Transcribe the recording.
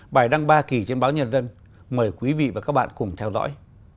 bài đăng ba kỳ trên báo nhân dân mời quý vị và các bạn cùng theo dõi